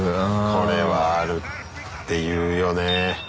これはあるっていうよね。